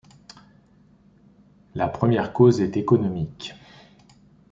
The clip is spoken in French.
La première cause est économique.